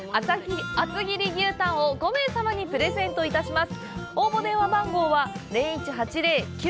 厚切り牛たんを５名様にプレゼントいたします。